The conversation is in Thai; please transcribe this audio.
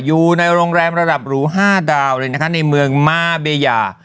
อยู่ในโรงแรมระดับหรู๕ดาวเลยนะคะในเมืองมาเบยา